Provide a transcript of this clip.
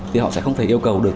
thì họ sẽ không thể yêu cầu được